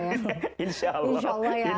insya allah ya